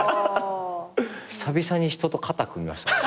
久々に人と肩組みましたもん。